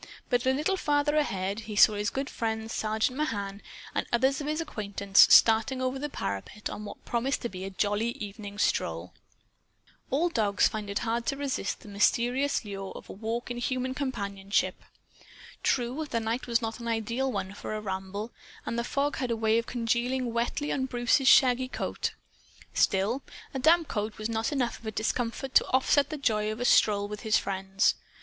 But, a little farther ahead, he saw his good friend, Sergeant Mahan, and others of his acquaintances, starting over the parapet on what promised to be a jolly evening stroll. All dogs find it hard to resist the mysterious lure of a walk in human companionship. True, the night was not an ideal one for a ramble, and the fog had a way of congealing wetly on Bruce's shaggy coat. Still, a damp coat was not enough of a discomfort to offset the joy of a stroll with his friends.